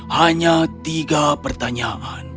hanya tiga pertanyaanmu